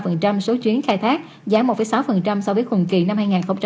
chiếm tỉ lệ tám ba số chuyến khai thác giảm một sáu so với khung kỳ năm hai nghìn một mươi bảy